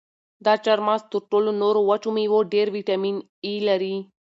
دا چهارمغز تر ټولو نورو وچو مېوو ډېر ویټامین ای لري.